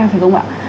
phải không ạ